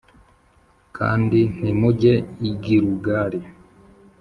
kandi ntimujye i Gilugali